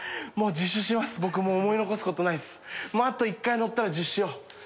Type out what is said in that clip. あと１回載ったら自首しよう。